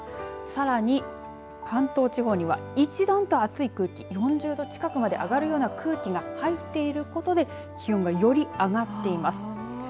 さらに関東地方には一段と熱い空気４０度近くまで上がるような空気が入っていることで気温がより上がっています。